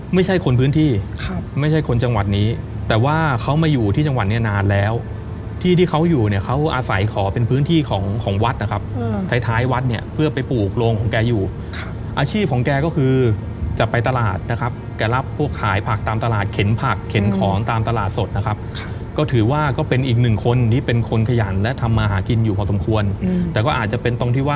ไม่ใช่คนพื้นที่ครับไม่ใช่คนจังหวัดนี้แต่ว่าเขามาอยู่ที่จังหวัดเนี่ยนานแล้วที่ที่เขาอยู่เนี่ยเขาอาศัยขอเป็นพื้นที่ของของวัดนะครับท้ายท้ายวัดเนี่ยเพื่อไปปลูกโรงของแกอยู่อาชีพของแกก็คือจะไปตลาดนะครับแกรับพวกขายผักตามตลาดเข็นผักเข็นของตามตลาดสดนะครับก็ถือว่าก็เป็นอีกหนึ่งคนที่เป็นคนขยันและทำมาหากินอยู่พอสมควรแต่ก็อาจจะเป็นตรงที่ว่า